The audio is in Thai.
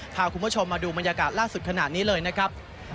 พาคุณผู้ชมมาดูบรรยากาศล่าสุดขนาดนี้เลยนะครับ